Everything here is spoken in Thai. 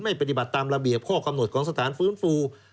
ปฏิบัติตามระเบียบข้อกำหนดของสถานฟื้นฟู